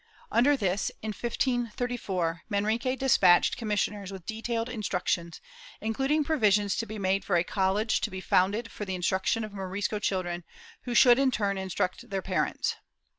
^ Under this, in 1534, Manrique despatched commis sioners with detailed instructions, including provisions to be made for a college to be founded for the instruction of Morisco children, who should in turn instruct their parents.